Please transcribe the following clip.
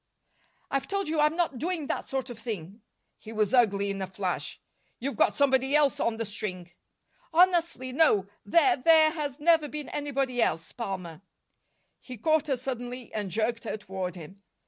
"I've told you I'm not doing that sort of thing." He was ugly in a flash. "You've got somebody else on the string." "Honestly, no. There there has never been anybody else, Palmer." He caught her suddenly and jerked her toward him.